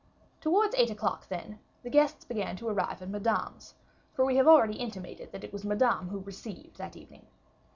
Towards eight o'clock, then, the guests began to arrive at Madame's, for we have already intimated that it was Madame who "received" that evening.